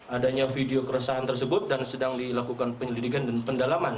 adanya video keresahan tersebut dan sedang dilakukan penyelidikan dan pendalaman